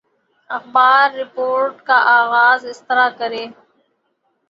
اخبار رپورٹ کا آغاز اس طرح کر ہے